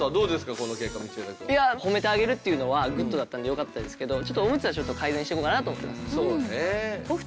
この結果道枝くん。褒めてあげるっていうのはグッドだったんでよかったですけどオムツはちょっと改善していこうかなと思ってます。